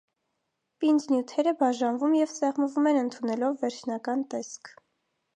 Պինդ նյութերը բաժանվում և սեղմվում են ընդունելով վերջնական տեսք։